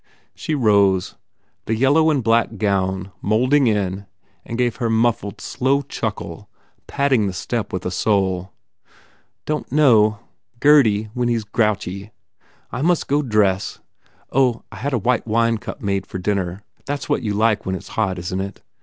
She rose, the yellow and black gown moulding in, and gave her muffled, slow chuckle, patting the step with a sole. "Don t know. Gurdy, when he s grouchy. I must go dress. Oh, I had whitewine cup made for dinner. That s what you like when it s hot, isn t it?